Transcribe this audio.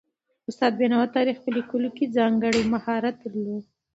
استاد بینوا د تاریخ په لیکلو کې ځانګړی مهارت درلود